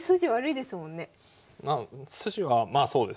筋はまあそうですね。